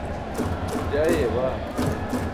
je ayaya baa